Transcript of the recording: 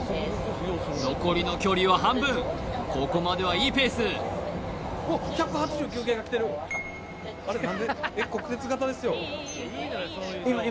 残りの距離は半分ここまではいいペース国鉄型ですよ